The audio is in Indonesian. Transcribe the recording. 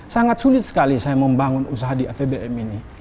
sangat sulit sekali saya membangun usaha di apbn ini